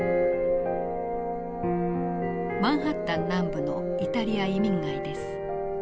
マンハッタン南部のイタリア移民街です。